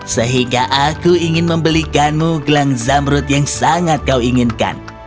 sehingga aku ingin membelikanmu gelang zamrut yang sangat kau inginkan